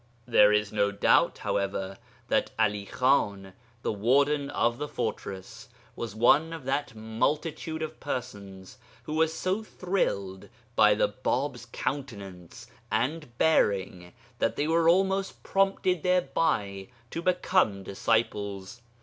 There is no doubt, however, that 'Ali Khan, the warden of the fortress, was one of that multitude of persons who were so thrilled by the Bāb's countenance and bearing that they were almost prompted thereby to become disciples.